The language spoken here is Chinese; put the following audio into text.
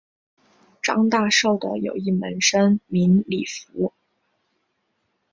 张大受的有一门生名李绂。